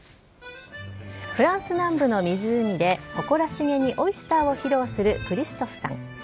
フランス南部の湖で、誇らしげにオイスターを披露するクリストフさん。